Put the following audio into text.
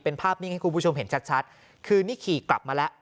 เป็นภาพนิ่งให้คุณผู้ชมเห็นชัดชัดคือนี่ขี่กลับมาแล้ว